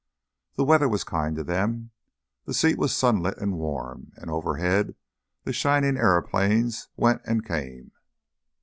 The weather was kind to them, the seat was sunlit and warm, and overhead the shining aëroplanes went and came.